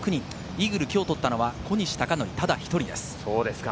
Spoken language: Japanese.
イーグルを今日取ったのは小西貴紀、ただ一人です。